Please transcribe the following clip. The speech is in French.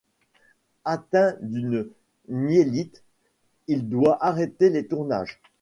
Atteint d'une myélite, il doit arrêter les tournages.